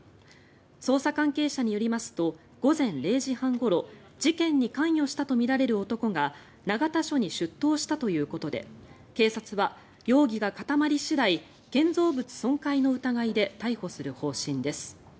捜査関係者によりますと午前０時半ごろ事件に関与したとみられる男が長田署に出頭したということで警察は容疑が固まり次第建造物損壊の疑いで逮捕する方針です。